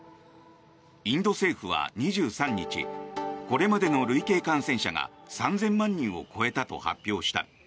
インド政府は２３日これまでの累計感染者が３０００万人を超えたと発表した。